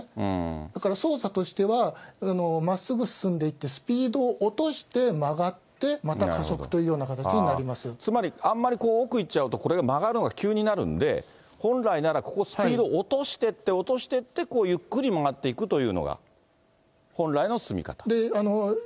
だから操作としては、まっすぐ進んでいって、スピードを落として曲がって、また加速というようなつまり、あんまり奥行っちゃうと、これが曲がるのが急になるので、本来ならここ、スピード落としてって、落としてって、こうゆっくり曲がっていくというのが、本来の進み方？